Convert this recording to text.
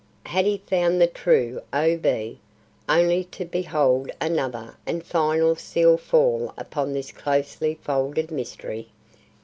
Had he found the true O. B., only to behold another and final seal fall upon this closely folded mystery?